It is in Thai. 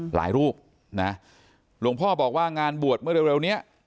หลายรูปนะหลวงพ่อบอกว่างานบวชเมื่อเร็วนี้